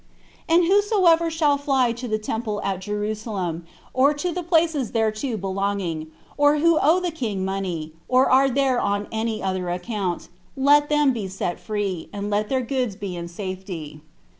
And whosoever shall fly to the temple at Jerusalem, or to the places thereto belonging, or who owe the king money, or are there on any other account, let them be set free, and let their goods be in safety.